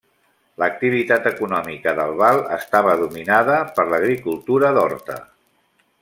L'activitat econòmica d'Albal estava dominada per l'agricultura d'horta.